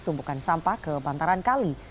tumpukan sampah ke bantaran kali